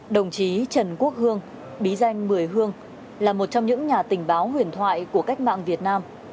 đồng chí trần quốc hương bí danh mười hương là một trong những nhà tình báo huyền thoại của cách mạng việt nam